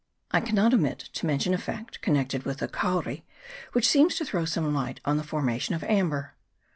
I cannot omit to mention a fact connected with the kauri which seems to throw some light on the formation of amber.